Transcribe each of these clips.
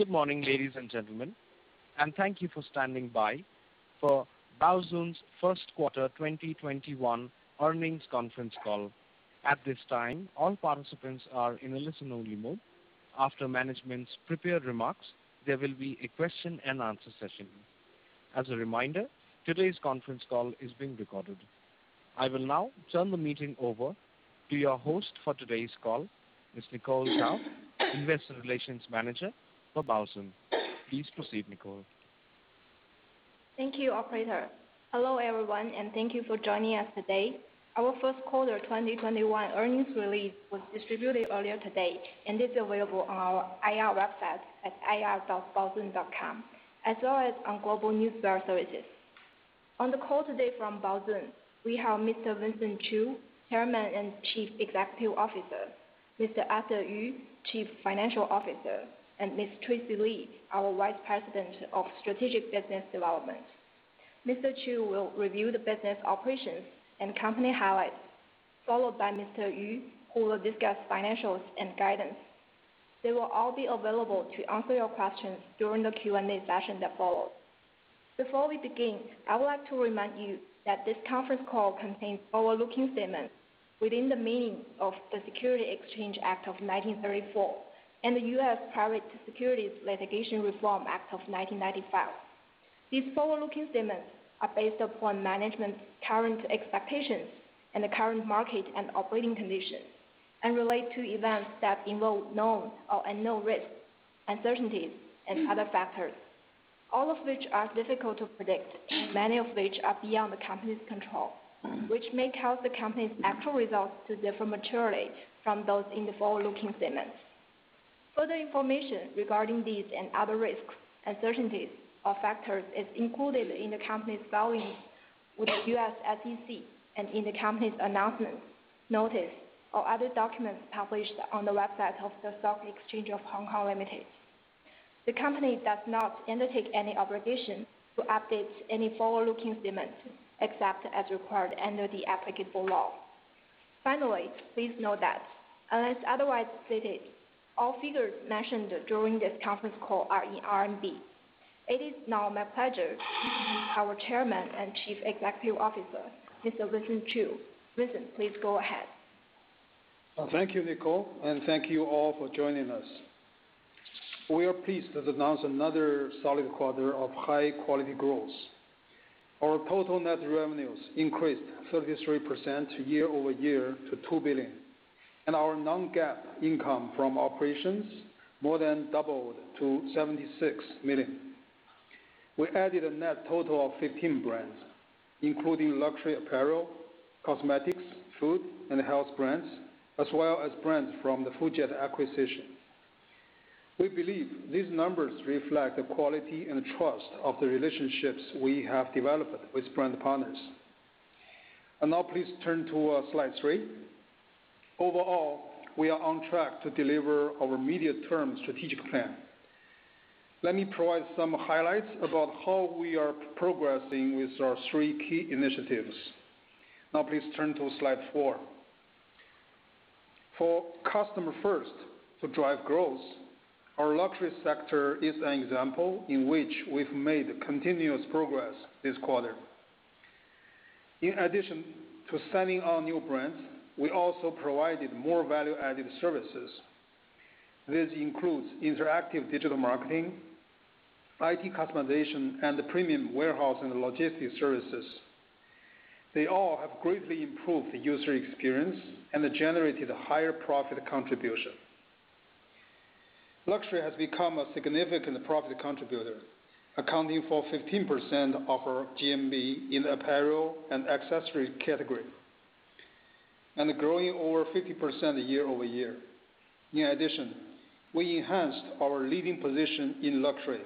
Good morning, ladies and gentlemen, thank you for standing by for Baozun's first quarter 2021 earnings conference call. At this time, all participants are in a listen-only mode. After management's prepared remarks, there will be a question-and-answer session. As a reminder, today's conference call is being recorded. I will now turn the meeting over to your host for today's call, Ms. Nicole Zhao, investor relations manager for Baozun. Please proceed, Nicole. Thank you, operator. Hello, everyone, and thank you for joining us today. Our first quarter 2021 earnings release was distributed earlier today, and is available on our IR website at ir.baozun.com, as well as on global newsletter services. On the call today from Baozun, we have Mr. Vincent Qiu, Chairman and Chief Executive Officer, Mr. Arthur Yu, Chief Financial Officer, and Ms. Tracy Chunlu Li, our Vice President of Strategic Business Development. Mr. Qiu will review the business operations and company highlights, followed by Mr. Yu, who will discuss financials and guidance. They will all be available to answer your questions during the Q&A session that follows. Before we begin, I would like to remind you that this conference call contains forward-looking statements within the meaning of the Securities Exchange Act of 1934 and the U.S. Private Securities Litigation Reform Act of 1995. These forward-looking statements are based upon management's current expectations and the current market and operating conditions and relate to events that involve known or unknown risks, uncertainties, and other factors, all of which are difficult to predict, many of which are beyond the company's control, which may cause the company's actual results to differ materially from those in the forward-looking statements. Further information regarding these and other risks, uncertainties, or factors is included in the company's filings with the U.S. SEC and in the company's announcements, notices, or other documents published on the website of The Stock Exchange of Hong Kong Limited. The company does not undertake any obligation to update any forward-looking statements except as required under the applicable law. Finally, please note that unless otherwise stated, all figures mentioned during this conference call are in CNY. It is now my pleasure to introduce our Chairman and Chief Executive Officer, Mr. Vincent Qiu. Vincent, please go ahead. Thank you, Nicole. Thank you all for joining us. We are pleased to announce another solid quarter of high-quality growth. Our total net revenues increased 33% year-over-year to 2 billion, and our non-GAAP income from operations more than doubled to 76 million. We added a net total of 15 brands, including luxury apparel, cosmetics, food, and health brands, as well as brands from the Full Jet acquisition. We believe these numbers reflect the quality and trust of the relationships we have developed with brand partners. Now please turn to Slide three. Overall, we are on track to deliver our medium-term strategic plan. Let me provide some highlights about how we are progressing with our three key initiatives. Now please turn to Slide four. For customer first to drive growth, our luxury sector is an example in which we've made continuous progress this quarter. In addition to signing on new brands, we also provided more value-added services. This includes interactive digital marketing, IT customization, and premium warehouse and logistics services. They all have greatly improved the user experience and generated higher profit contribution. Luxury has become a significant profit contributor, accounting for 15% of our GMV in apparel and accessory category, and growing over 50% year-over-year. In addition, we enhanced our leading position in luxury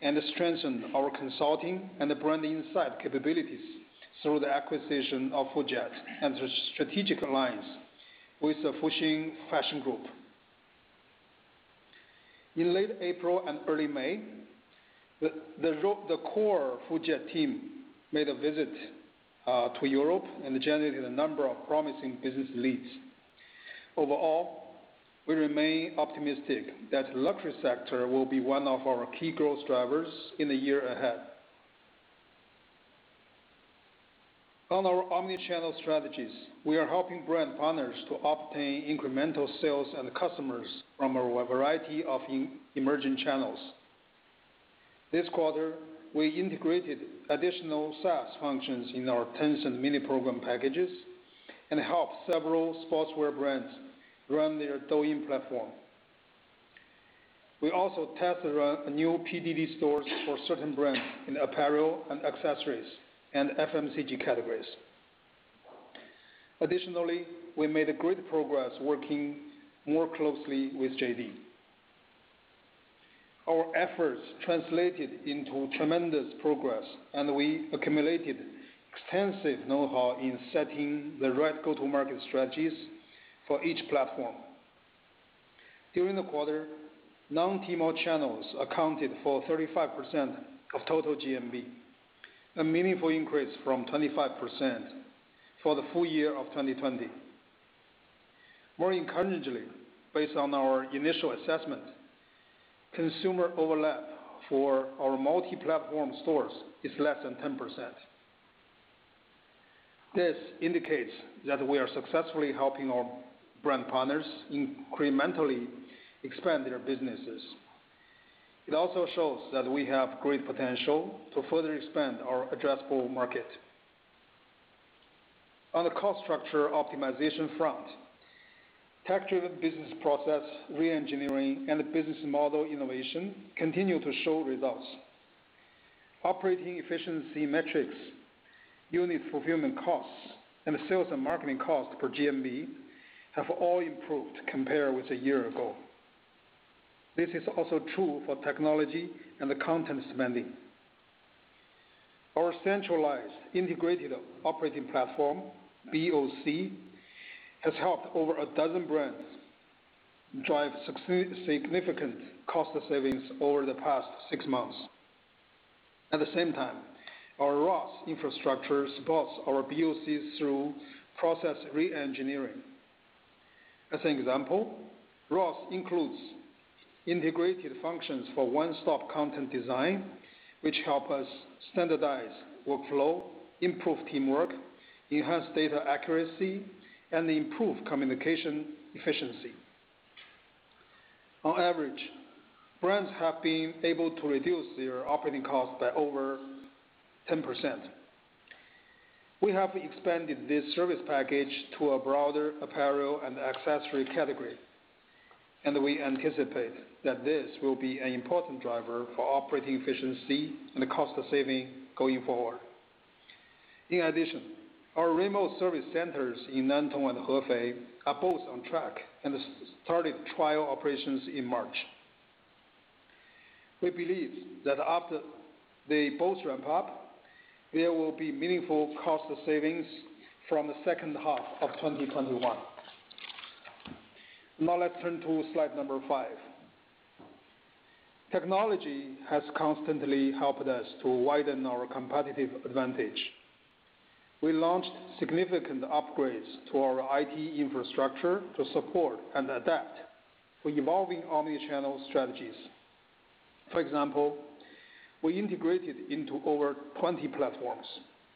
and strengthened our consulting and brand insight capabilities through the acquisition of Full Jet and the strategic alliance with the Fosun Fashion Group. In late April and early May, the core Full Jet team made a visit to Europe and generated a number of promising business leads. Overall, we remain optimistic that luxury sector will be one of our key growth drivers in the year ahead. On our omni-channel strategies, we are helping brand partners to obtain incremental sales and customers from a variety of emerging channels. This quarter, we integrated additional SaaS functions in our Tencent Mini Program packages and helped several sportswear brands run their Douyin platform. We also tested a new PDD store for certain brands in apparel and accessories and FMCG categories. Additionally, we made great progress working more closely with JD. Our efforts translated into tremendous progress, and we accumulated extensive know-how in setting the right go-to-market strategies for each platform. During the quarter, non-Tmall channels accounted for 35% of total GMV, a meaningful increase from 25% for the full-year of 2020. More encouragingly, based on our initial assessment, consumer overlap for our multi-platform stores is less than 10%. This indicates that we are successfully helping our brand partners incrementally expand their businesses. It also shows that we have great potential to further expand our addressable market. On the cost structure optimization front, tech-driven business process re-engineering and business model innovation continue to show results. Operating efficiency metrics, unit fulfillment costs, and sales and marketing costs per GMV have all improved compared with a year ago. This is also true for technology and content spending. Our centralized integrated operating platform, BOC, has helped over a dozen brands drive significant cost savings over the past six months. At the same time, our ROSS infrastructure supports our BOCs through process re-engineering. As an example, ROSS includes integrated functions for one-stop content design, which help us standardize workflow, improve teamwork, enhance data accuracy, and improve communication efficiency. On average, brands have been able to reduce their operating costs by over 10%. We have expanded this service package to a broader apparel and accessory category, and we anticipate that this will be an important driver for operating efficiency and cost saving going forward. In addition, our remote service centers in Nantong and Hefei are both on track and started trial operations in March. We believe that after they both ramp up, there will be meaningful cost savings from the second half of 2021. Let's turn to Slide number five. Technology has constantly helped us to widen our competitive advantage. For example, we integrated into over 20 platforms,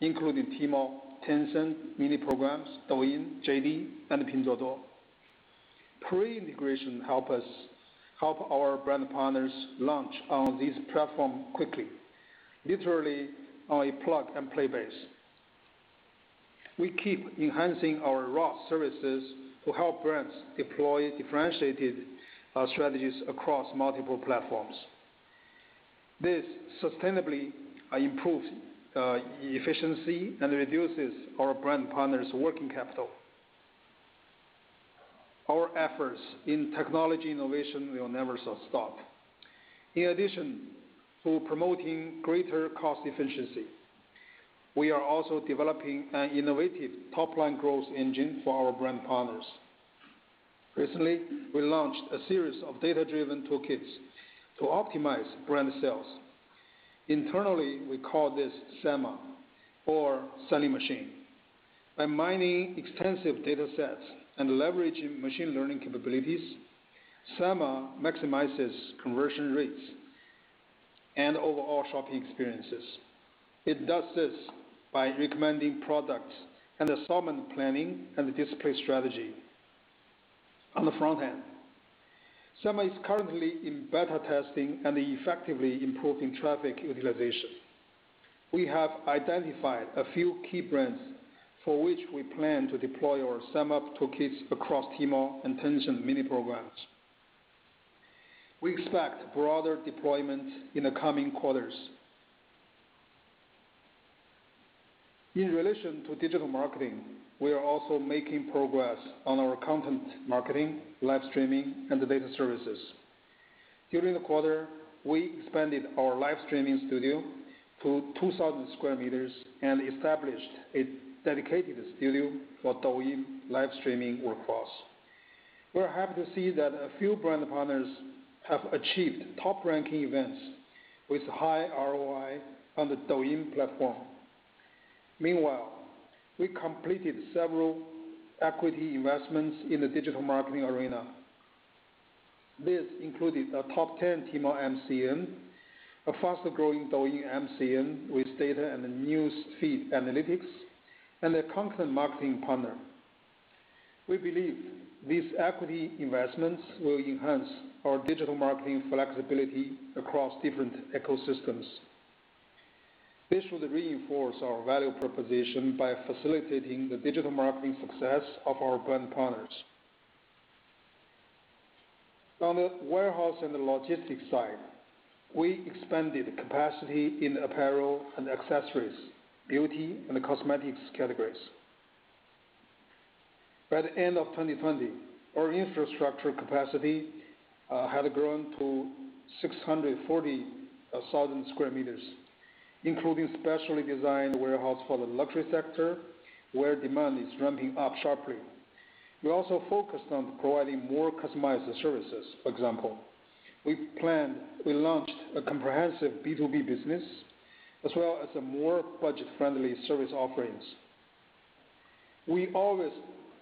including Tmall, Tencent Mini Programs, Douyin, JD, and Pinduoduo. Pre-integration help our brand partners launch on these platforms quickly, literally on a plug-and-play basis. We keep enhancing our ROSS services to help brands deploy differentiated strategies across multiple platforms. This sustainably improves efficiency and reduces our brand partners' working capital. Our efforts in technology innovation will never stop. In addition to promoting greater cost efficiency, we are also developing an innovative top-line growth engine for our brand partners. Recently, we launched a series of data-driven toolkits to optimize brand sales. Internally, we call this SEMA or selling machine. By mining extensive data sets and leveraging machine learning capabilities, SEMA maximizes conversion rates and overall shopping experiences. It does this by recommending products and assortment planning and display strategy. On the front end, SEMA is currently in beta testing and effectively improving traffic utilization. We have identified a few key brands for which we plan to deploy our SEMA toolkits across Tmall and Tencent Mini Programs. We expect broader deployment in the coming quarters. In relation to digital marketing, we are also making progress on our content marketing, live streaming, and data services. During the quarter, we expanded our live streaming studio to 2,000 sq m and established a dedicated studio for Douyin live streaming workflows. We're happy to see that a few brand partners have achieved top-ranking events with high ROI on the Douyin platform. Meanwhile, we completed several equity investments in the digital marketing arena. This included a top 10 Tmall MCN, a faster-growing Douyin MCN with data and newsfeed analytics, and a content marketing partner. We believe these equity investments will enhance our digital marketing flexibility across different ecosystems. This will reinforce our value proposition by facilitating the digital marketing success of our brand partners. On the warehouse and logistics side, we expanded capacity in apparel and accessories, beauty and cosmetics categories. By the end of 2020, our infrastructure capacity had grown to 640,000 sq m, including specially designed warehouse for the luxury sector, where demand is ramping up sharply. We also focused on providing more customized services. For example, we launched a comprehensive B2B business, as well as more budget-friendly service offerings. We always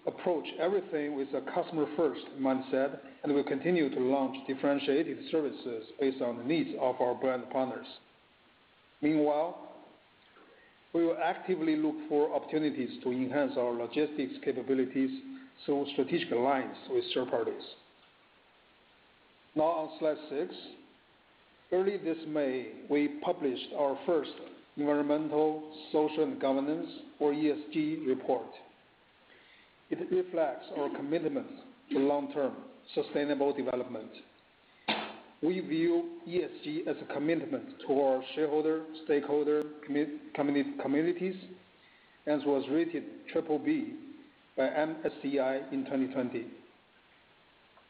approach everything with a customer-first mindset, and we continue to launch differentiated services based on needs of our brand partners. Meanwhile, we will actively look for opportunities to enhance our logistics capabilities through strategic alliance with third parties. Now on Slide six. Early this May, we published our first environmental, social, and governance, or ESG report. It reflects our commitment to long-term sustainable development. We view ESG as a commitment to our shareholder, stakeholder communities, and was rated triple B by MSCI in 2020.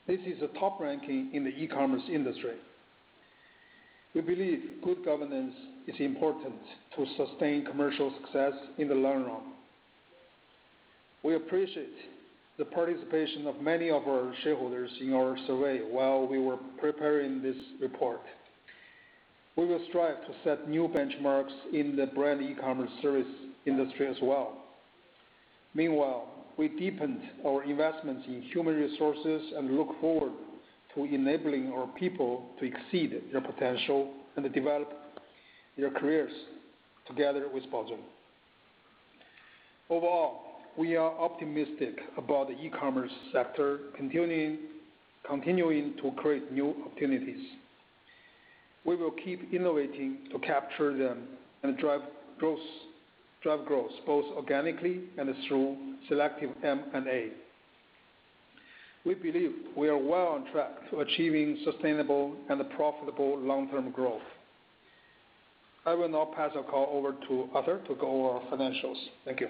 This is a top ranking in the e-commerce industry. We believe good governance is important to sustain commercial success in the long run. We appreciate the participation of many of our shareholders in our survey while we were preparing this report. We will strive to set new benchmarks in the brand e-commerce service industry as well. Meanwhile, we deepened our investments in human resources and look forward to enabling our people to exceed their potential and develop their careers together with Baozun. Overall, we are optimistic about the e-commerce sector continuing to create new opportunities. We will keep innovating to capture them and drive growth both organically and through selective M&A. We believe we are well on track to achieving sustainable and profitable long-term growth. I will now pass the call over to Arthur to go over our financials. Thank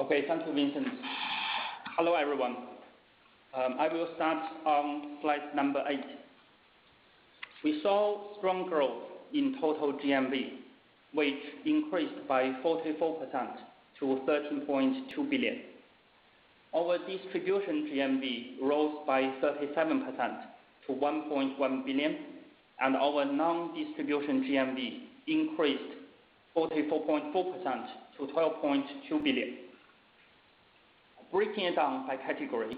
you. Okay. Thank you, Vincent. Hello, everyone. I will start on Slide number eight. We saw strong growth in total GMV, which increased by 44% to 30.2 billion. Our distribution GMV rose by 37% to 1.1 billion, and our non-distribution GMV increased 44.4% to 12.2 billion. Breaking it down by category,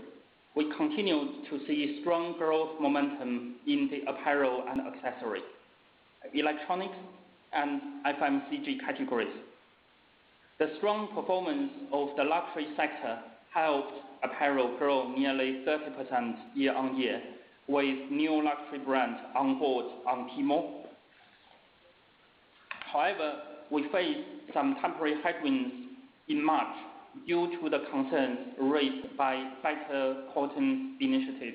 we continued to see strong growth momentum in the apparel and accessories, electronic, and FMCG categories. The strong performance of the luxury sector helped apparel grow nearly 30% year-on-year, with new luxury brands on board on Tmall. However, we faced some temporary headwinds in March due to the concerns raised by Better Cotton Initiative.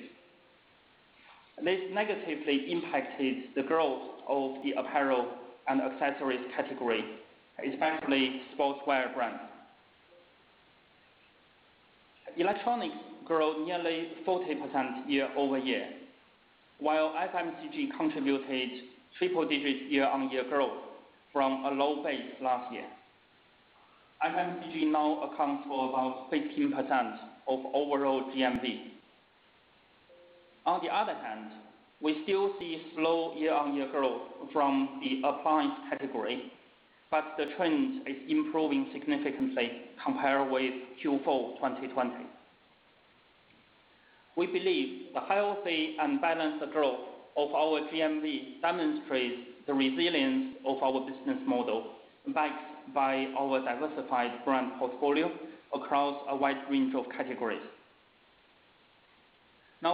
This negatively impacted the growth of the apparel and accessories category, especially sportswear brands. Electronics grew nearly 40% year-over-year, while FMCG contributed triple digits year-on-year growth from a low base last year. FMCG now accounts for about 15% of overall GMV. On the other hand, we still see slow year-on-year growth from the appliance category, but the trend is improving significantly compared with Q4 2020. We believe the healthy and balanced growth of our GMV demonstrates the resilience of our business model, backed by our diversified brand portfolio across a wide range of categories.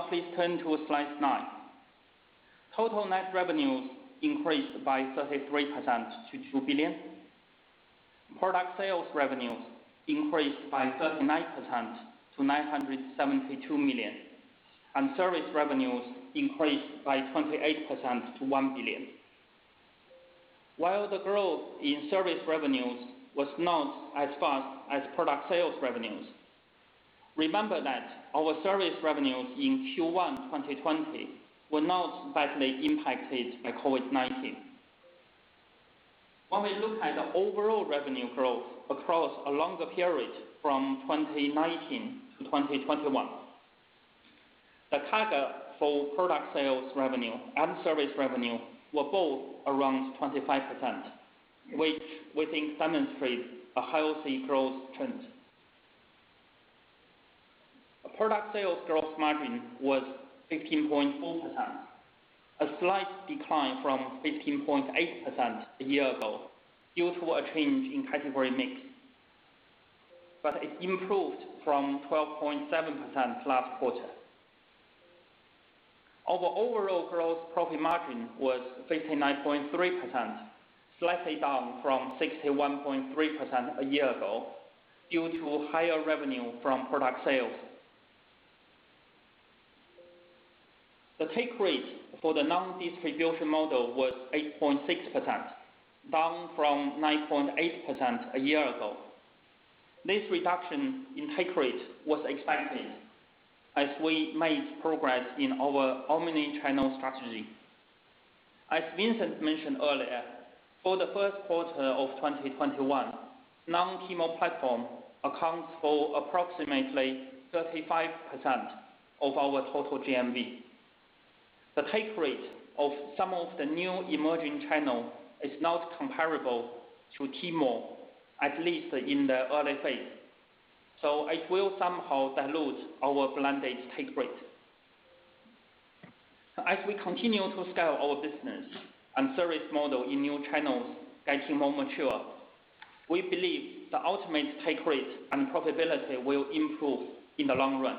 Please turn to Slide nine. Total net revenues increased by 33% to 2 billion. Product sales revenues increased by 39% to 972 million, and service revenues increased by 28% to 1 billion. The growth in service revenues was not as fast as product sales revenues, remember that our service revenues in Q1 2020 were most badly impacted by COVID-19. When we look at the overall revenue growth across a longer period from 2019 to 2021, the CAGR for product sales revenue and service revenue were both around 25%, which we think demonstrates a healthy growth trend. Product sales gross margin was 15.4%, a slight decline from 15.8% a year ago due to a change in category mix, but it improved from 12.7% last quarter. Our overall gross profit margin was 59.3%, slightly down from 61.3% a year ago due to higher revenue from product sales. The take rate for the non-distribution model was 8.6%, down from 9.8% a year ago. This reduction in take rate was expected as we made progress in our omni-channel strategy. As Vincent mentioned earlier, for the first quarter of 2021, non-Tmall platform accounts for approximately 35% of our total GMV. The take rate of some of the new emerging channels is not comparable to Tmall, at least in the early phase. It will somehow dilute our blended take rate. As we continue to scale our business and service model in new channels getting more mature, we believe the ultimate take rate and profitability will improve in the long run.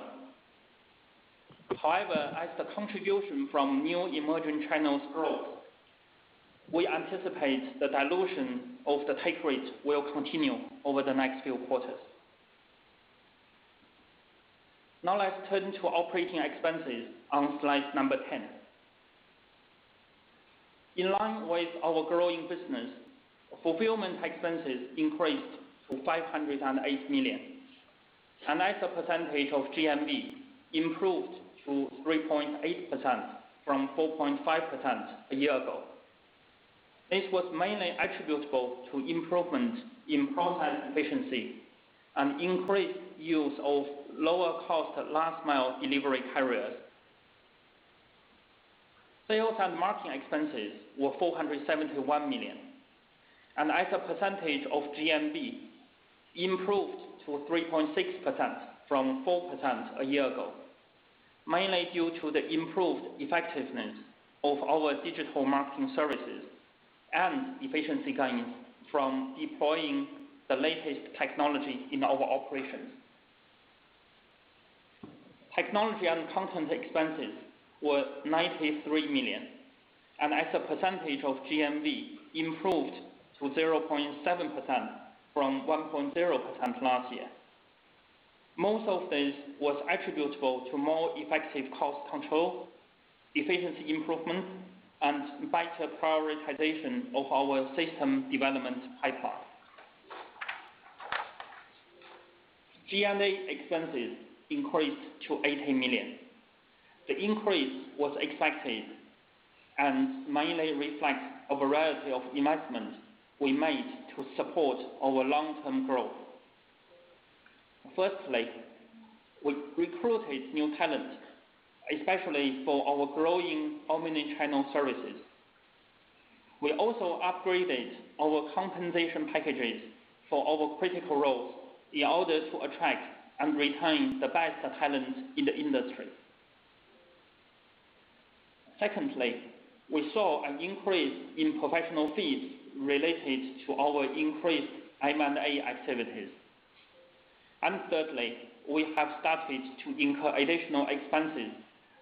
However, as the contribution from new emerging channels grows, we anticipate the dilution of the take rate will continue over the next few quarters. Let's turn to operating expenses on Slide number 10. In line with our growing business, fulfillment expenses increased to 508 million. As a percentage of GMV, improved to 3.8% from 4.5% a year ago. This was mainly attributable to improvement in process efficiency and increased use of lower cost last mile delivery carriers. Sales and marketing expenses were 471 million. As a percentage of GMV, improved to 3.6% from 4% a year ago, mainly due to the improved effectiveness of our digital marketing services and efficiency gains from deploying the latest technology in our operations. Technology and content expenses were 93 million, and as a percentage of GMV, improved to 0.7% from 1.0% last year. Most of this was attributable to more effective cost control, efficiency improvement, and better prioritization of our system development pipeline. G&A expenses increased to 80 million. The increase was expected and mainly reflects a variety of investments we made to support our long-term growth. Firstly, we recruited new talent, especially for our growing omni-channel services. We also upgraded our compensation packages for our critical roles in order to attract and retain the best talent in the industry. Secondly, we saw an increase in professional fees related to our increased M&A activities. Thirdly, we have started to incur additional expenses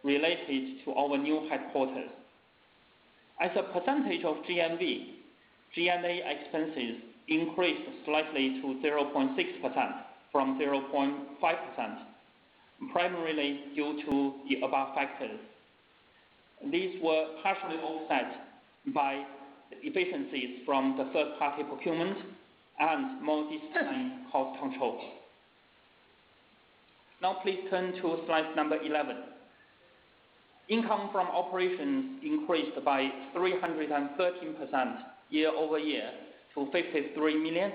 related to our new headquarters. As a percentage of GMV, G&A expenses increased slightly to 0.6% from 0.5%, primarily due to the above factors. These were partially offset by efficiencies from the third-party procurement and more disciplined cost control. Please turn to Slide number 11. Income from operations increased by 313% year-over-year to 53 million.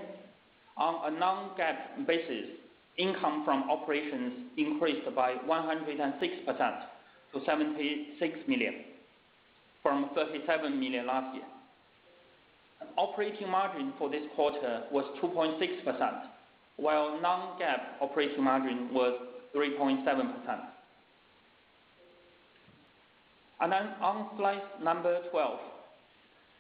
On a non-GAAP basis, income from operations increased by 106% to 76 million from 37 million last year. Operating margin for this quarter was 2.6%, while non-GAAP operating margin was 3.7%. On Slide number 12,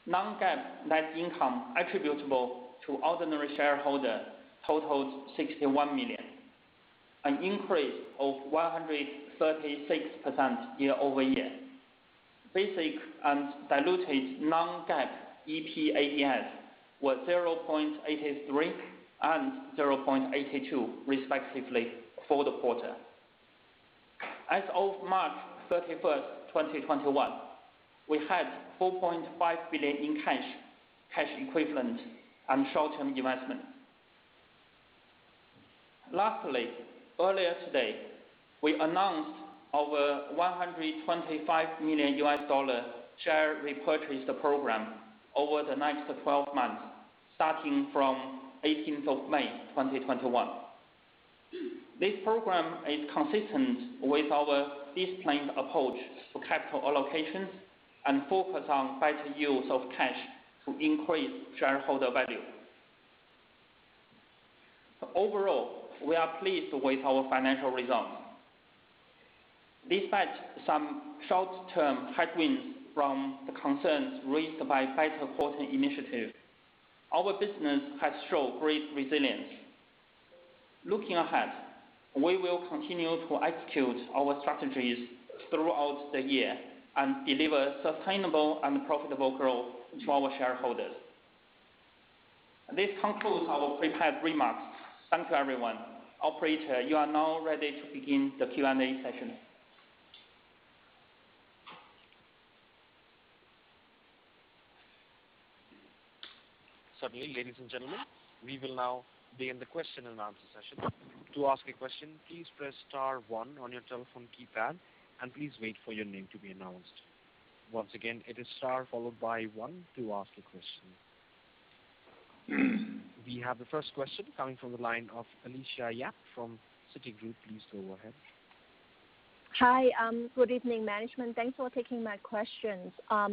non-GAAP net income attributable to ordinary shareholders totaled 61 million, an increase of 136% year-over-year. Basic and diluted non-GAAP EPS were 0.83 and 0.82, respectively, for the quarter. As of March 31st, 2021, we had 4.5 billion in cash equivalent, and short-term investment. Earlier today, we announced our $125 million U.S. share repurchase program over the next 12 months, starting from 18th of May 2021. This program is consistent with our disciplined approach to capital allocations and focus on better use of cash to increase shareholder value. Overall, we are pleased with our financial results. Despite some short-term headwinds from the concerns raised by Better Cotton Initiative, our business has shown great resilience. Looking ahead, we will continue to execute our strategies throughout the year and deliver sustainable and profitable growth to our shareholders. This concludes our prepared remarks. Thank you, everyone. Operator, you are now ready to begin the Q&A session. Certainly, ladies and gentlemen, we will now begin the question-and-answer session. To ask a question, please press star one on your telephone keypad and please wait for your name to be announced. Once again, it is star followed by one to ask a question. We have the first question coming from the line of Alicia Yap from Citigroup. Please go ahead. Hi. Good evening, management. Thanks for taking my questions. I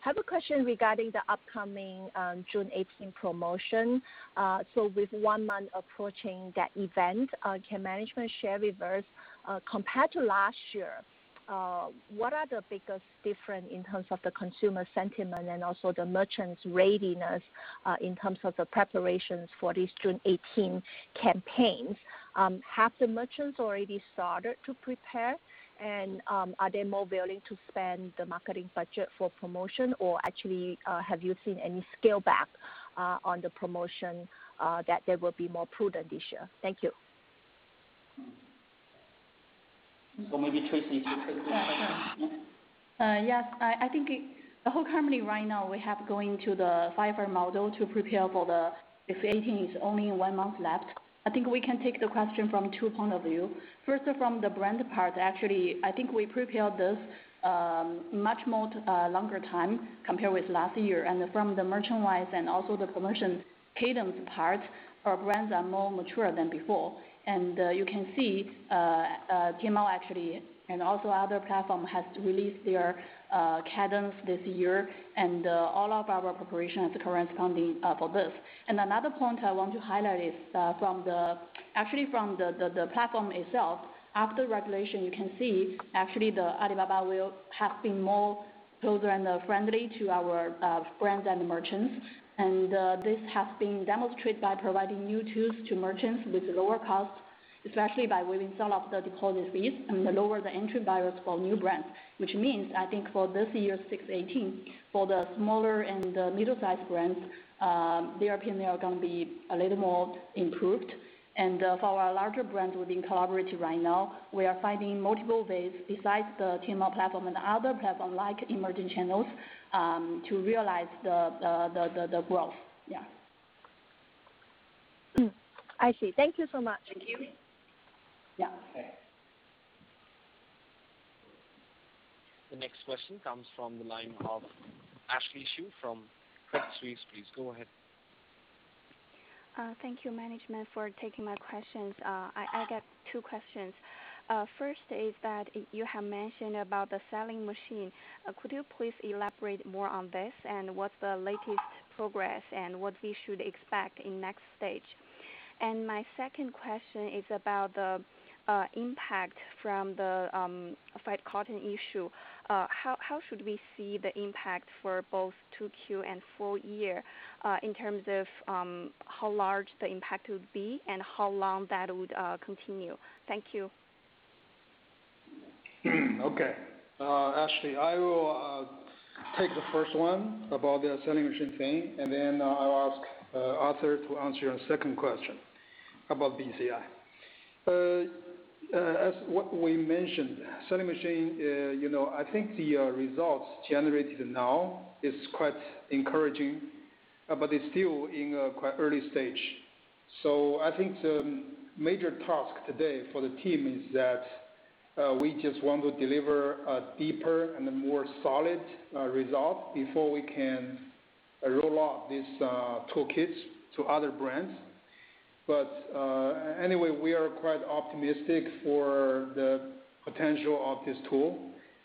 have a question regarding the upcoming June 18 promotion. With one month approaching that event, can management share with us, compared to last year, what are the biggest difference in terms of the consumer sentiment and also the merchants' readiness in terms of the preparations for the June 18 campaign? Have the merchants already started to prepare? Are they more willing to spend the marketing budget for promotion or actually, have you seen any scale back on the promotion, that they will be more prudent this year? Thank you. Maybe Tracy could take that one. Yeah. I think the whole company right now, we have going to the fiber model to prepare for the 618. It's only one month left. I think we can take the question from two points of view. First is from the brand part. Actually, I think we prepared this much more longer time compared with last year. From the merchant side and also the promotion cadence part, our brands are more mature than before. You can see, Tmall actually, and also other platform has released their cadence this year, and all of our preparation is corresponding for this. Another point I want to highlight is from the platform itself, after regulation, you can see actually the Alibaba will have been more merchant friendly to our friends and merchants. This has been demonstrated by providing new tools to merchants with lower cost, especially by waiving some of the deposit fees and lower the entry barriers for new brands. Which means, I think for this year's 618, for the smaller and the middle-size brands, their P&L can be a little more improved. For our larger brands we've been covering right now, we are finding multiple ways besides the Tmall platform and other platform like emerging channels, to realize the growth. Yeah. I see. Thank you so much. Thank you. Yeah. Okay. The next question comes from the line of Ashley Xu from Crédit Suisse. Please go ahead. Thank you management for taking my questions. I got two questions. First is that you have mentioned about the selling machine. Could you please elaborate more on this and what's the latest progress and what we should expect in next stage? My second question is about the impact from the cotton issue. How should we see the impact for both 2Q and full-year, in terms of how large the impact would be and how long that would continue? Thank you. Okay. Ashley, I will take the first one about the selling machine thing, and then I'll ask Arthur to answer your second question about BCI. As what we mentioned, selling machine, I think the results generated now is quite encouraging. It's still in a quite early stage. I think the major task today for the team is that, we just want to deliver a deeper and more solid result before we can roll out these toolkits to other brands. Anyway, we are quite optimistic for the potential of this tool,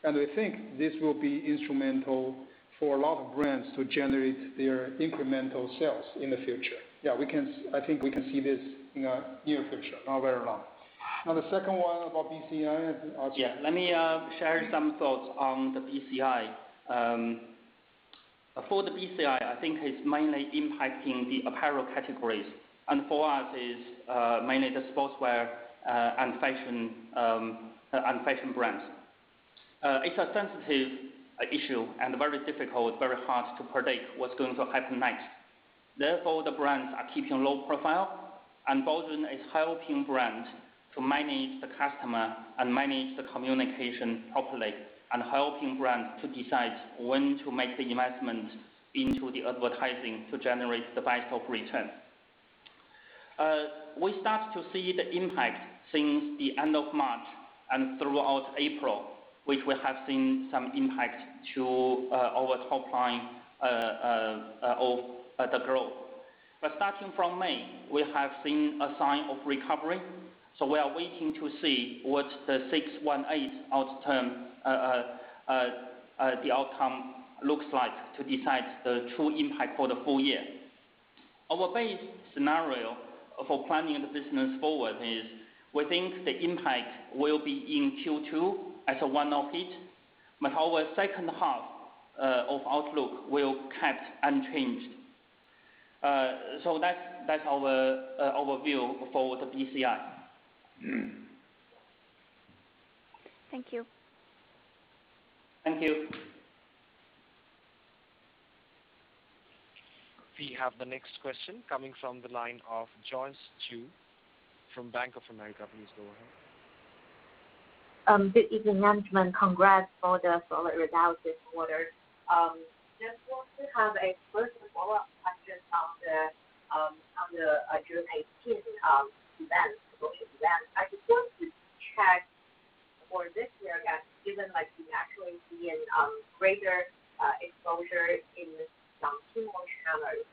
and I think this will be instrumental for a lot of brands to generate their incremental sales in the future. Yeah, I think we can see this in near future, not very long. Now, the second one about BCI is Arthur. Yeah. Let me share some thoughts on the BCI. For the BCI, I think it's mainly impacting the apparel categories. For us is mainly the sportswear and fashion brands. It's a sensitive issue and very difficult, very hard to predict what's going to happen next. Therefore, the brands are keeping low profile, and Baozun is helping brands to manage the customer and manage the communication properly, and helping brands to decide when to make the investment into the advertising to generate the best of return. We start to see the impact since the end of March and throughout April, which we have seen some impact to our top line of the growth. Starting from May, we have seen a sign of recovery. We are waiting to see what the 618 outcome looks like to decide the true impact for the full-year. Our base scenario for planning the business forward is, we think the impact will be in Q2 as a one-off hit, but our second half of outlook will kept unchanged. That's our view for the BCI. Thank you. Thank you. We have the next question coming from the line of Joyce Ju from Bank of America. Please go ahead. Good evening, everyone. Congrats on the solid result this quarter. Just want to have a quick follow-up question on the June 18th social event. I just want to check for this year that given we actually see a greater exposure in non-Tmall channels.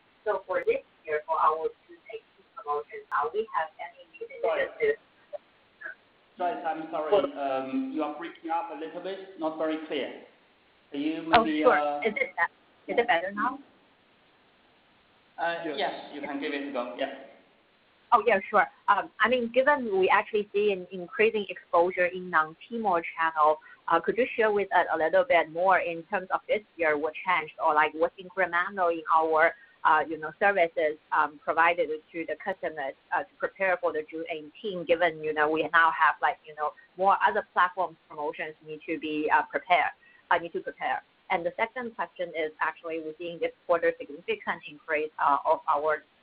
For this year, for our 618 promotion, are we have any- Sorry, Tammy. You are breaking up a little bit. Not very clear. Are you in the? Oh, sure. Is it better now? Yes. You can give it a go. Yeah. Okay. Sure. Given we actually see an increasing exposure in non-Tmall channel, could you share with us a little bit more in terms of this year, what changed or what incremental in our services provided to the customers as prepared for the June 18, given we now have more other platform promotions need to prepare. The second question is actually within this quarter, the significant increase of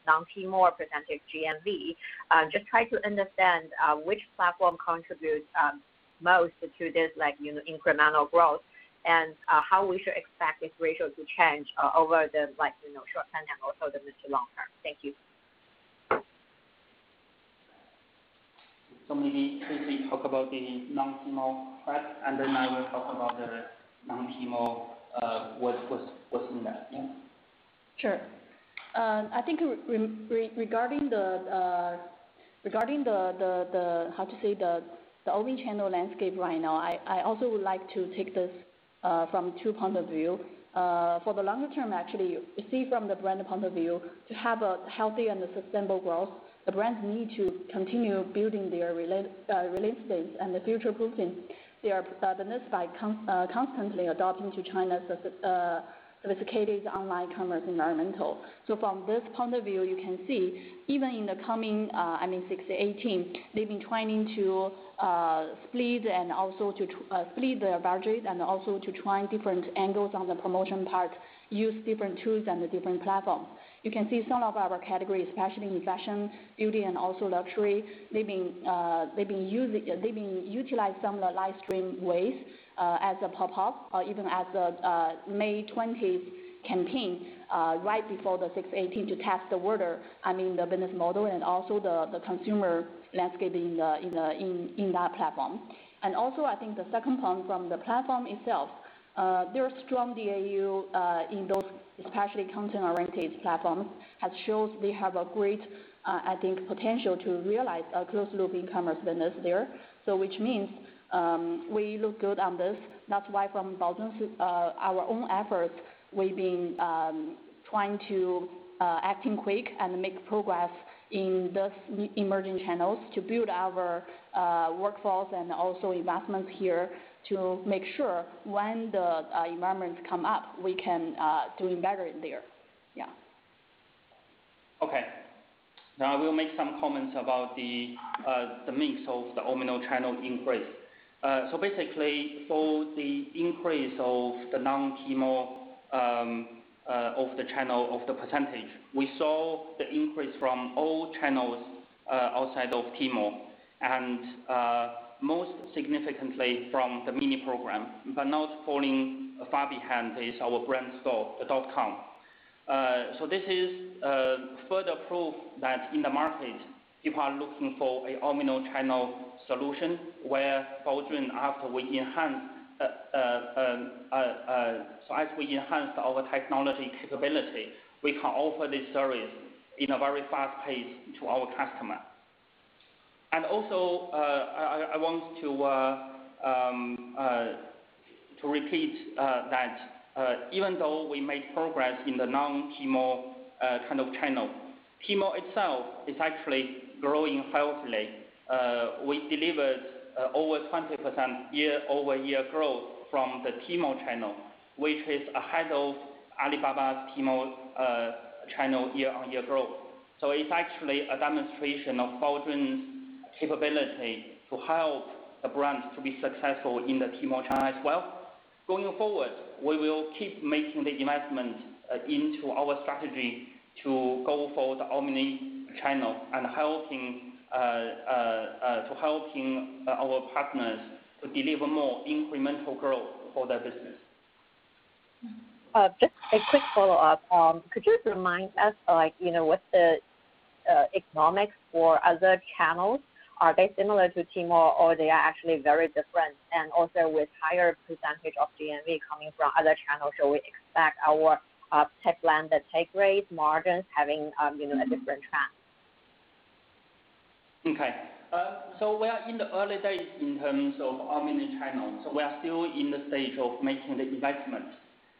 our non-Tmall percentage GMV. Just try to understand which platform contributes most to this incremental growth and how we should expect this ratio to change over the short term and also the medium long term. Thank you. Maybe quickly talk about the non-Tmall. I will talk about the non-Tmall, what's in that. Yeah. Sure. I think regarding the omni-channel landscape right now, I also would like to take this from two point of view. For the longer term, actually, see from the brand point of view, to have a healthy and sustainable growth, the brands need to continue building their relationship and the future boosting their business by constantly adapting to China's sophisticated online commerce environment. From this point of view, you can see even in the coming 618, they've been trying to split the budget and also to try different angles on the promotion part, use different tools and the different platform. You can see some of our categories, especially in fashion, beauty, and also luxury. They've been utilizing some of the live stream ways as a pop-up or even as a May 20th campaign right before the 618 to test the water, the business model, and also the consumer landscape in that platform. Also, I think the second point from the platform itself, their strong DAU in those especially content-oriented platforms have showed they have a great, I think, potential to realize a closed-loop e-commerce business there. Which means, we look good on this. That's why from Baozun, our own efforts, we've been trying to acting quick and make progress in these emerging channels to build our workflows and also investments here to make sure when the environments come up, we can do better there. Yeah. I will make some comments about the mix of the omni-channel increase. Basically, for the increase of the non-Tmall of the channel, of the percentage, we saw the increase from all channels outside of Tmall, and most significantly from the mini program, not falling far behind is our brand store, the .com. This is further proof that in the market, people are looking for an omni-channel solution, where Baozun, as we enhance our technology capability, we can offer this service in a very fast pace to our customer. Also, I want to repeat that even though we made progress in the non-Tmall kind of channel, Tmall itself is actually growing healthily. We delivered over 20% year-over-year growth from the Tmall channel, which is ahead of Alibaba's Tmall channel year-on-year growth. It's actually a demonstration of Baozun's capability to help the brands to be successful in the Tmall channel as well. Going forward, we will keep making the investment into our strategy to go for the omni-channel and to helping our partners to deliver more incremental growth for their business. Just a quick follow-up. Could you remind us with the economics for other channels, are they similar to Tmall or they are actually very different? With higher percentage of GMV coming from other channels, so we expect our tech-led take rates margins having a different trend? Okay. We are in the early days in terms of omni-channel, so we are still in the stage of making the investment.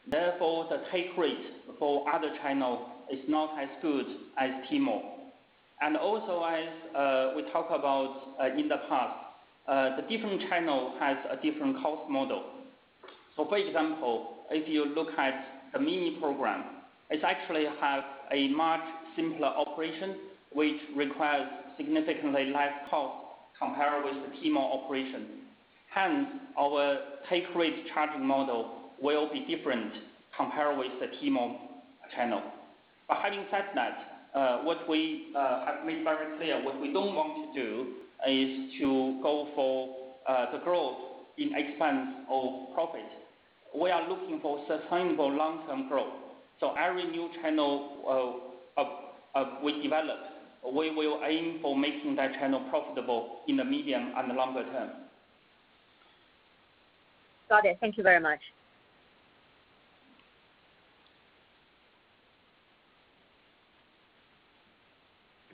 Therefore, the take rate for other channels is not as good as Tmall. Also, as we talk about in the past, the different channel has a different cost model. For example, if you look at the mini program, it actually has a much simpler operation, which requires significantly less cost compared with the Tmall operation. Hence, our take rate charging model will be different compared with the Tmall channel. Having said that, we have made very clear what we don't want to do is to go for the growth in expense of profit. We are looking for sustainable long-term growth. Every new channel we develop, we will aim for making that channel profitable in the medium and longer term. Got it. Thank you very much.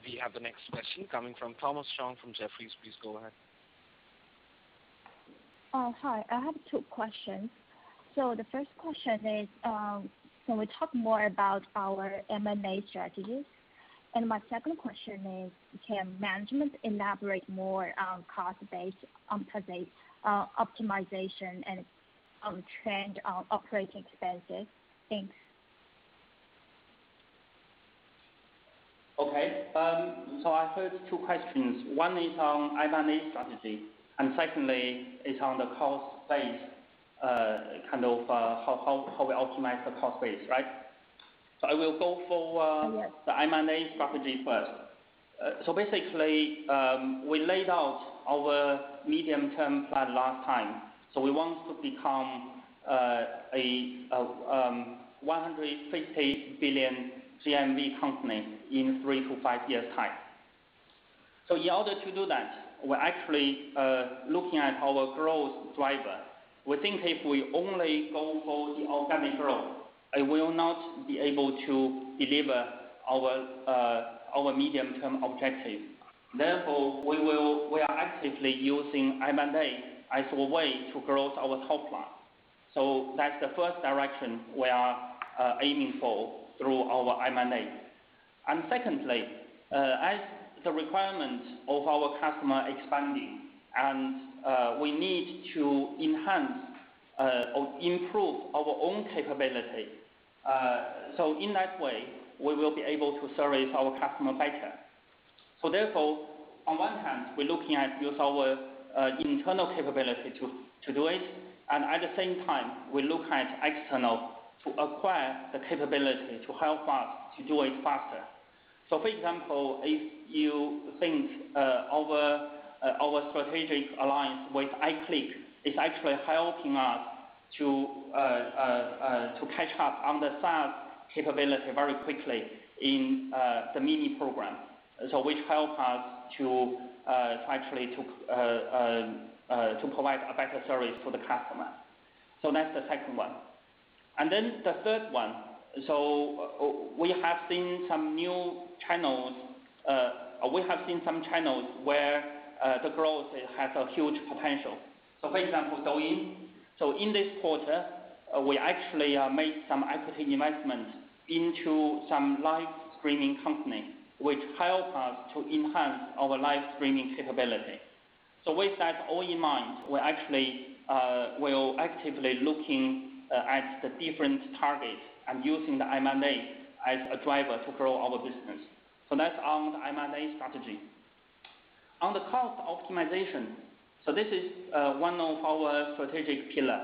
We have the next question coming from Thomas Chong from Jefferies. Please go ahead. Hi. I have two questions. The first question is, can we talk more about our M&A strategies? My second question is, can management elaborate more on cost base optimization and trend operating expenses? Thanks. Okay. I heard two questions. One is on M&A strategy, and secondly is on how we optimize the cost base. Right? Yes the M&A strategy first. Basically, we laid out our medium-term plan last time. We want to become a 160 billion GMV company in three to five years time. In order to do that, we're actually looking at our growth driver. We think if we only go for the organic growth, it will not be able to deliver our medium-term objective. Therefore, we are actively using M&A as a way to grow our top line. That's the first direction we are aiming for through our M&A. Secondly, as the requirement of our customer expanding, and we need to enhance or improve our own capability. In that way, we will be able to service our customer better. Therefore, on one hand, we're looking at use our internal capability to do it, and at the same time, we look at external to acquire the capability to help us to do it faster. For example, if you think our strategic alliance with iClick is actually helping us to catch up on the SaaS capability very quickly in the mini program. Which helps us to provide a better service for the customer. That's the second one. Then the third one. We have seen some channels where the growth has a huge potential. For example, Douyin. In this quarter, we actually made some equity investments into some live streaming company, which help us to enhance our live streaming capability. With that all in mind, we're actively looking at the different targets and using the M&A as a driver to grow our business. That's on the M&A strategy. On the cost optimization. This is one of our strategic pillar.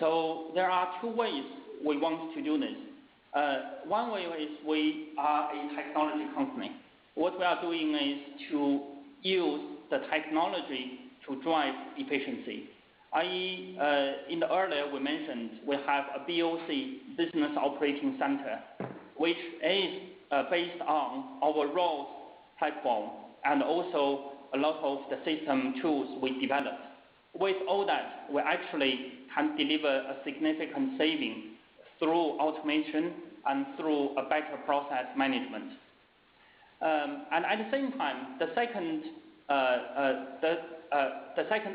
There are two ways we want to do this. One way is we are a technology company. What we are doing is to use the technology to drive efficiency. i.e., in earlier we mentioned we have a BOC, business operating center, which is based on our ROSS platform and also a lot of the system tools we developed. With all that, we actually can deliver a significant saving through automation and through a better process management. At the same time, the second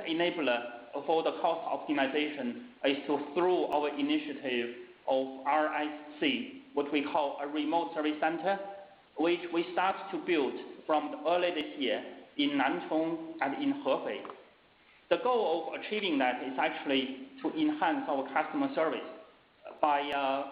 enabler for the cost optimization is through our initiative of RSC, what we call a remote service center, which we start to build from early this year in Nantong and in Hefei. The goal of achieving that is actually to enhance our customer service by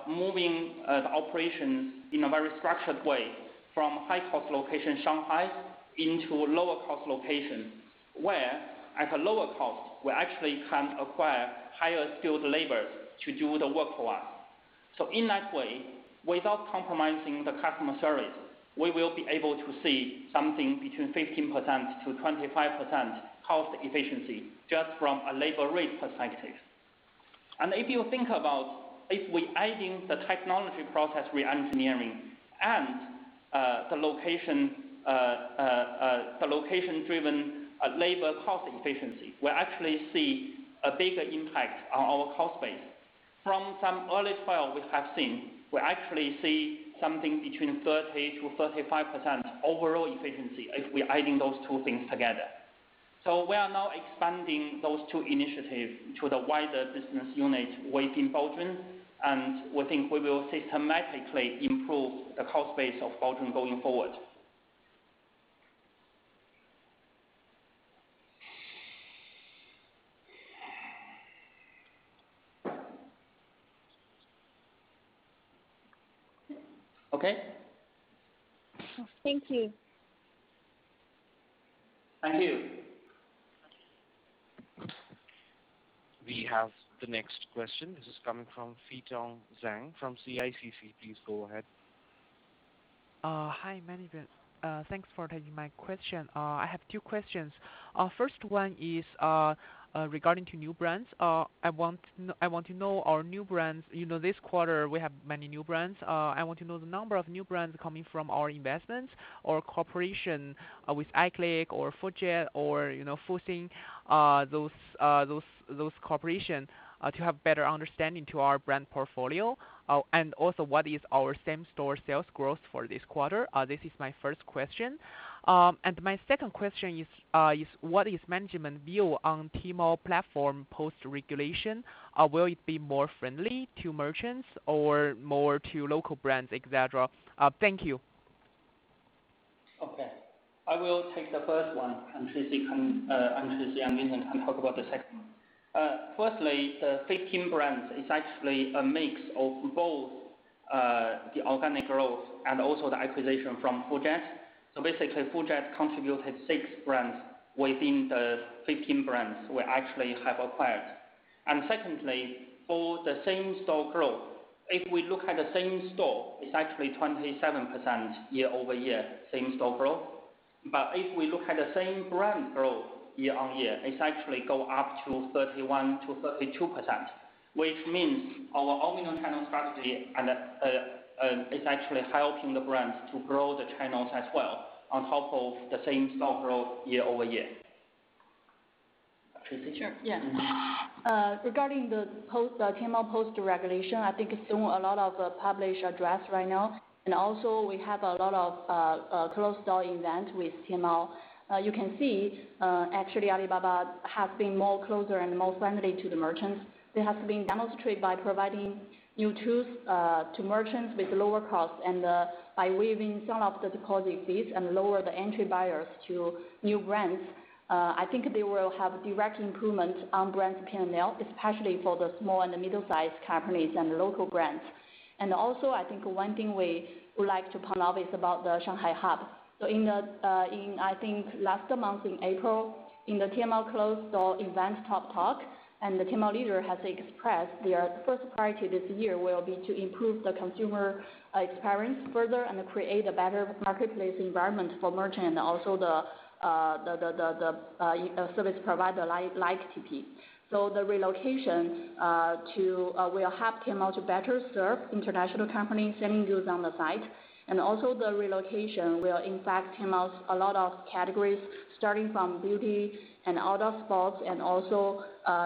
moving the operations in a very structured way from high-cost location Shanghai into lower cost location, where at a lower cost, we actually can acquire higher skilled labors to do the work for us. In that way, without compromising the customer service, we will be able to see something between 15%-25% cost efficiency just from a labor rate perspective. If you think about if we add in the technology process we are engineering and the location-driven labor cost efficiency, we actually see a bigger impact on our cost base. From some early trial we have seen, we actually see something between 30%-35% overall efficiency if we're adding those two things together. We are now expanding those two initiatives to the wider business unit within Baozun, and we think we will systematically improve the cost base of Baozun going forward. Okay. Thank you. Thank you. We have the next question. This is coming from Feitong Zhang from CICC. Please go ahead. Hi, management. Thanks for taking my question. I have two questions. First one is regarding new brands. This quarter we have many new brands. I want to know the number of new brands coming from our investments or cooperation with iClick or Full Jet or Fosun, those cooperation to have better understanding to our brand portfolio. Also what is our same-store sales growth for this quarter? This is my first question. My second question is what is management view on Tmall platform post-regulation? Will it be more friendly to merchants or more to local brands, et cetera? Thank you. Okay. I will take the first one and Tracy and Vincent Qiu can talk about the second one. Firstly, the 15 brands is actually a mix of both the organic growth and also the acquisition from Full Jet. Basically, Full Jet contributed six brands within the 15 brands we actually have acquired. Secondly, for the same-store growth, if we look at the same store, it's actually 27% year-over-year same-store growth. If we look at the same brand growth year-on-year, it's actually go up to 31%-32%, which means our omni-channel strategy is actually helping the brands to grow the channels as well on top of the same-store growth year-over-year. Tracy? Yeah. Regarding the Tmall post-regulation, I think it's doing a lot of the published address right now. We have a lot of closed-door event with Tmall. You can see actually Alibaba has been more closer and more friendly to the merchants. They have been demonstrated by providing new tools to merchants with lower cost and by waiving some of the deposit fees and lower the entry barriers to new brands. I think they will have direct improvements on brands P&L, especially for the small and the middle-sized companies and the local brands. I think one thing we would like to pronounce is about the Shanghai hub. In I think last month in April, in the Tmall closed-door event talk, the Tmall leader has expressed their first priority this year will be to improve the consumer experience further and create a better marketplace environment for merchant and also the service provider likes to see. Also, the relocation will help Tmall to better serve international companies setting those on the site. Also, the relocation will impact Tmall's a lot of categories starting from beauty and other sports and also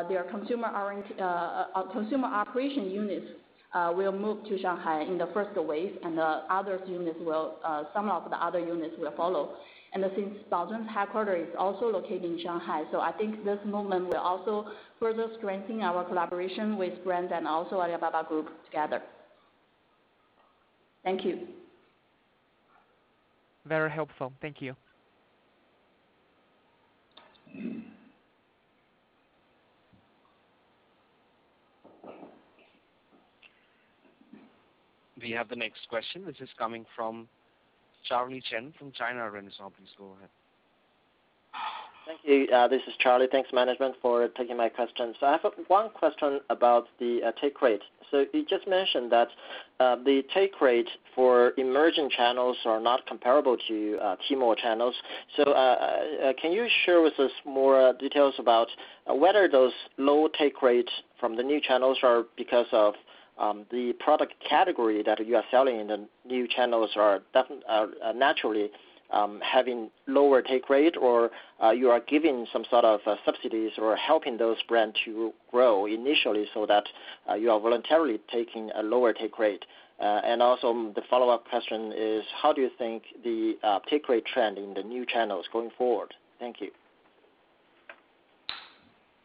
their consumer operation units will move to Shanghai in the first wave and some of the other units will follow. Baozun's headquarter is also located in Shanghai, so I think this movement will also further strengthen our collaboration with brands and also Alibaba Group together. Thank you. Very helpful. Thank you. We have the next question. This is coming from Charlie Chen from China Renaissance. Please go ahead. Thank you. This is Charlie. Thanks, management, for taking my question. I have one question about the take rate. You just mentioned that the take rate for emerging channels are not comparable to Tmall channels. Can you share with us more details about whether those low take rates from the new channels are because of the product category that you are selling in the new channels are naturally having lower take rate or you are giving some sort of subsidies or helping those brands to grow initially so that you are voluntarily taking a lower take rate? The follow-up question is how do you think the take rate trend in the new channels going forward? Thank you.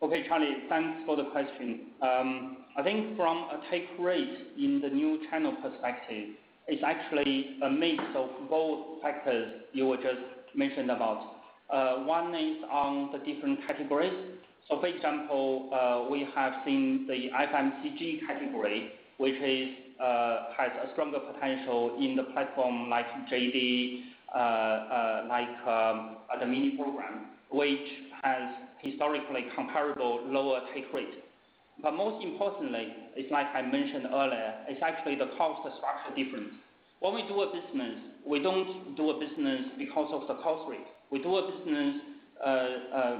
Okay, Charlie, thanks for the question. I think from a take rate in the new channel perspective, it is actually a mix of both factors you were just mentioned about. One is on the different categories. For example, we have seen the FMCG category, which has a stronger potential in the platform like JD.com, like the mini program, which has historically comparable lower take rate. Most importantly, it is like I mentioned earlier, it is actually the cost structure difference. When we do a business, we do not do a business because of the cost rate. We do a business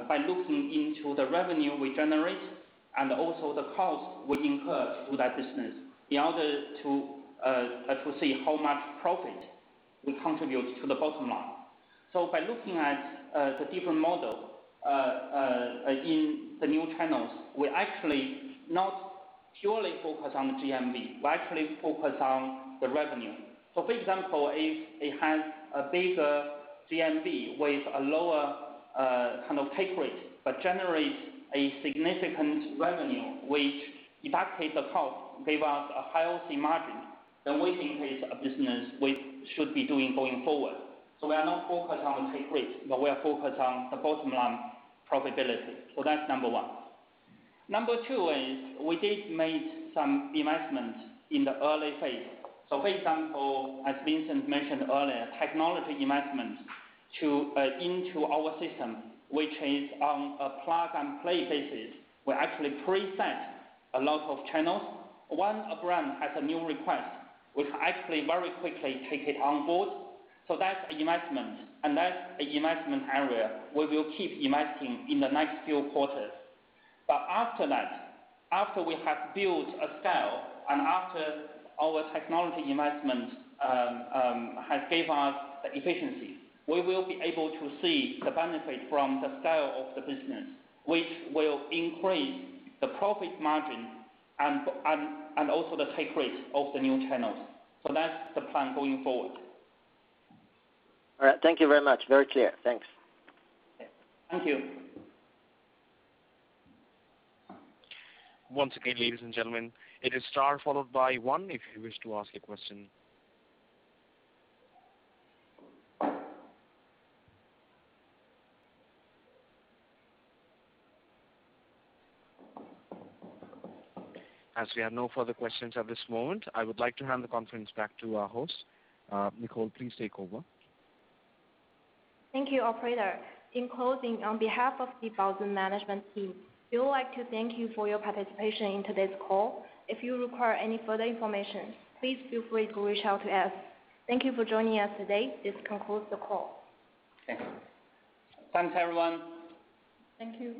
by looking into the revenue we generate and also the cost we incur through that business in order to see how much profit we contribute to the bottom line. By looking at the different model in the new channels, we are actually not purely focused on GMV. We're actually focused on the revenue. For example, if it has a bigger GMV with a lower take rate but generates a significant revenue which deducts the cost, give us a healthy margin, then we think it's a business we should be doing going forward. We are not focused on take rate, but we are focused on the bottom line profitability. That's number one. Number two is we did make some investments in the early phase. For example, as Vincent mentioned earlier, technology investments into our system, which is on a plug-and-play basis. We actually preset a lot of channels. Once a brand has a new request, we can actually very quickly take it on board. That's investment, and that's the investment area where we'll keep investing in the next few quarters. After that, after we have built a scale, and after our technology investment has given us efficiency, we will be able to see the benefit from the scale of the business, which will increase the profit margin and also the take rates of the new channels. That's the plan going forward. All right. Thank you very much. Very clear. Thanks. Thank you. Once again, ladies and gentlemen, it is star followed by one if you wish to ask a question. As we have no further questions at this moment, I would like to hand the conference back to our host. Nicole, please take over. Thank you, operator. In closing, on behalf of the Baozun management team, we would like to thank you for your participation in today's call. If you require any further information, please feel free to reach out to us. Thank you for joining us today. This concludes the call. Thanks, everyone. Thank you.